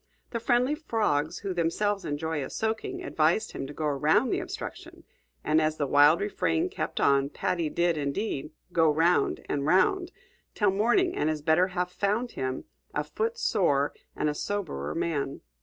The friendly frogs, who themselves enjoy a soaking, advised him to go around the obstruction; and as the wild refrain kept on, Paddy did indeed "go 'round, and 'round" till morning and his better half found him, a foot sore and a soberer man.